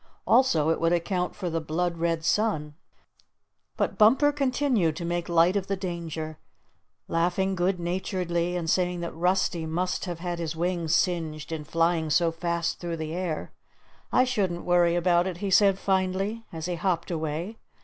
Also it would account for the blood red sun. But Bumper continued to make light of the danger, laughing good naturedly, and saying that Rusty must have had his wings singed in flying so fast through the air. "I shouldn't worry about it," he said finally, as he hopped away.